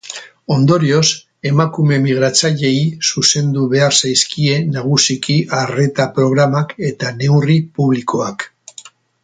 Ondorioz, emakume migratzaileei zuzendu behar zaizkie nagusiki arreta programak eta neurri publikoak.